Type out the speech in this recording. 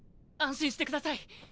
安心して下さい。